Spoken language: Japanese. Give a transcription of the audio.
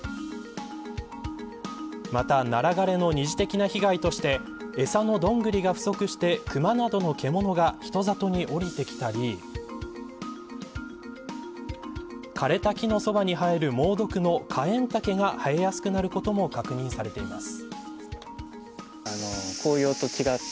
また、ナラ枯れの二次的な被害としてえさのどんぐりが不足してクマなどの獣が人里に降りてきたり枯れた木のそばに生える猛毒のカエンタケが生えやすくなることも確認されています。